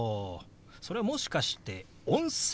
それはもしかして「温泉」？